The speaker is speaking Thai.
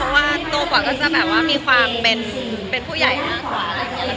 เพราะว่าโตกว่าก็จะแบบว่ามีความเป็นเป็นผู้ใหญ่มาก